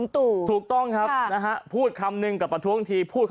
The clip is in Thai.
ทุกต้องครับพูดคำหนึ่งกับประท้วงที